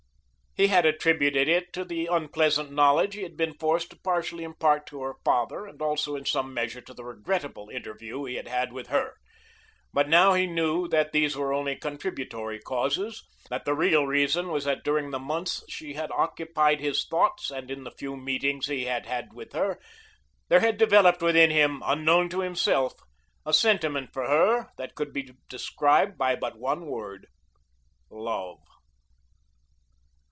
He had attributed it to the unpleasant knowledge he had been forced to partially impart to her father and also in some measure to the regrettable interview he had had with her, but now he knew that these were only contributory causes, that the real reason was that during the months she had occupied his thoughts and in the few meetings he had had with her there had developed within him, unknown to himself, a sentiment for her that could be described by but one word love.